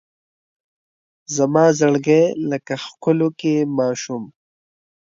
زما زړګی لکه ښکلوکی ماشوم